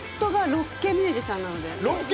ロッケミュージシャン？